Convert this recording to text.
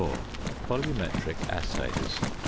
VOLUMETRIC ASSAYS.